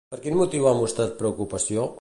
Per quin motiu ha mostrat preocupació?